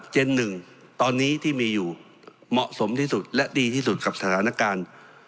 หนึ่งตอนนี้ที่มีอยู่เหมาะสมที่สุดและดีที่สุดกับสถานการณ์